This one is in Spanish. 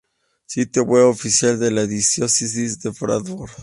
Sitio web oficial de la diócesis de Bradford.